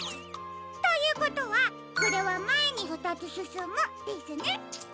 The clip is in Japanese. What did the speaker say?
ということはこれはまえにふたつすすむですね。